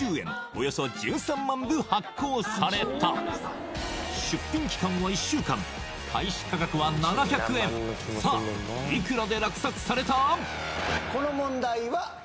およそ１３万部発行された出品期間は１週間開始価格は７００円さあいくらで落札された？